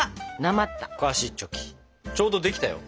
ちょうどできたよ。